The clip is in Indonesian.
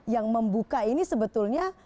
yang membuka ini sebetulnya